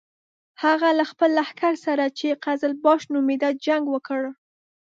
هغه له خپل لښکر سره چې قزلباش نومېده جنګ وکړ.